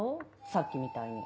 さっきみたいに。